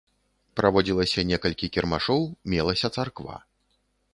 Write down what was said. Праводзілася некалькі кірмашоў, мелася царква.